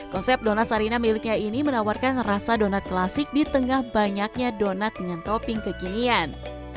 konsep dona sarina miliknya ini menawarkan rasa donat klasik di tengah banyaknya donat dengan topping kekinian